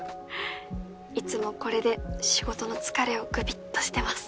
いつもこれで仕事の疲れをグビっとしてます。